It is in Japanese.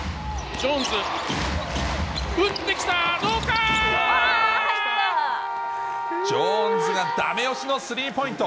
ジョーンズがダメ押しのスリーポイント。